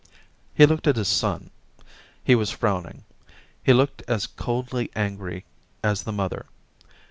He looked at his son ; he was frowning ; he looked as coldly angry as the mother.